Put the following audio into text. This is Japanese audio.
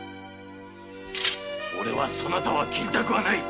俺はそなたは斬りたくはない。